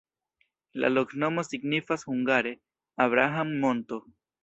La loknomo signifas hungare: Abraham-monto.